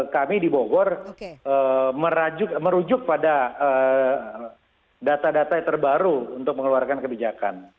kami di bogor merujuk pada data data terbaru untuk mengeluarkan kebijakan